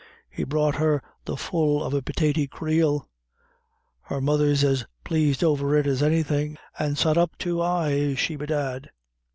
He brought her the full of the pitaty creel. Her mother's as plased over it as anythin', and sot up too, aye is she bedad."